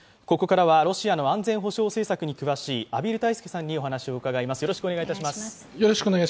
ここからはロシアの安全保障政策に詳しい畔蒜泰助さんにお話を伺います。